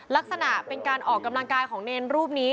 ลักษณะเป็นการออกกำลังกายของเนรรูปนี้